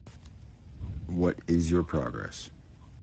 What is your progress?